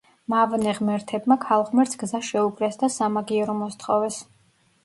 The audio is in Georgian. მავნე ღმერთებმა ქალღმერთს გზა შეუკრეს და სამაგიერო მოსთხოვეს.